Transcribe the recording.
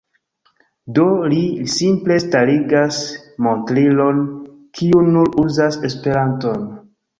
Do, li simple starigas montrilon, kiu nur uzas Esperanton.